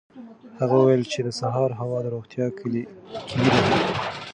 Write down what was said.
هغه وویل چې د سهار هوا د روغتیا کلي ده.